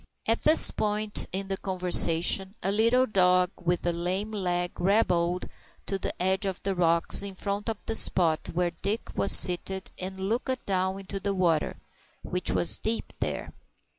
At this point in the conversation a little dog with a lame leg hobbled to the edge of the rocks in front of the spot where Dick was seated, and looked down into the water, which was deep there.